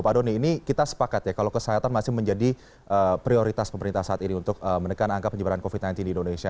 pak doni ini kita sepakat ya kalau kesehatan masih menjadi prioritas pemerintah saat ini untuk menekan angka penyebaran covid sembilan belas di indonesia